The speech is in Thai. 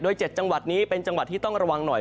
๗จังหวัดนี้เป็นจังหวัดที่ต้องระวังหน่อย